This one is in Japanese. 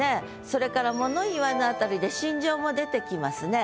それから「もの言わぬ」あたりで心情も出てきますね。